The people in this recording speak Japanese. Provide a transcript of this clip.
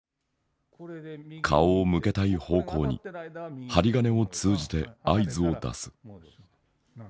顔を向けたい方向に針金を通じて合図を出す。